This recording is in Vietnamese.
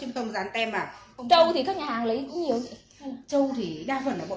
hóa đơn ý là hóa đơn xuất nhập hàng của ấy thì chị có